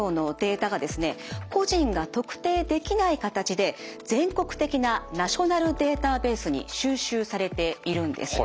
個人が特定できない形で全国的なナショナルデータベースに収集されているんです。